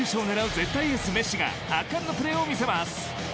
絶対エースメッシが圧巻のプレーを見せます。